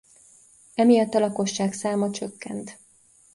Emiatt a lakosság száma csökkent.